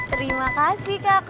terima kasih kakak